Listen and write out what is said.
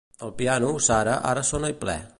El piano, Sara, ara sona i ple.